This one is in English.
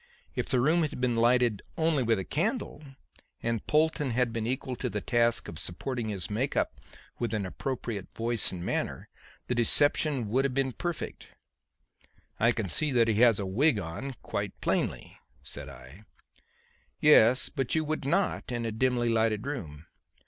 If the room had been lighted only with a candle, and Polton had been equal to the task of supporting his make up with an appropriate voice and manner, the deception would have been perfect." "I can see that he has a wig on, quite plainly," said I. "Yes; but you would not in a dimly lighted room.